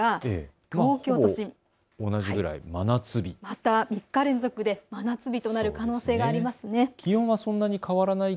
東京都心、また３日連続で真夏日となる可能性があります。